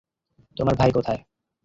তোমার ভাই কোথায়?